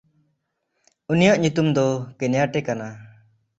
ᱩᱱᱤᱭᱟᱜ ᱧᱩᱛᱩᱢ ᱫᱚ ᱠᱮᱱᱭᱟᱴᱮ ᱠᱟᱱᱟ᱾